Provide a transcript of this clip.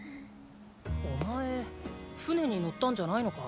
お前船に乗ったんじゃないのか？